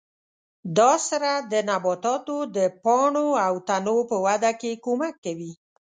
دا سره د نباتاتو د پاڼو او تنو په وده کې کومک کوي.